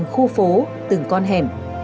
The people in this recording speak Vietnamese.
khu phố từng con hẻm